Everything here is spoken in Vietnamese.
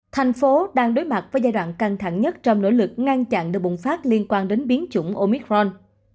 thành phố đang đối mặt với giai đoạn căng thẳng nhất trong nỗ lực ngăn chặn được bùng phát liên quan đến biến chủng omicron